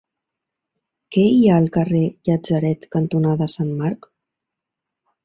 Què hi ha al carrer Llatzeret cantonada Sant Marc?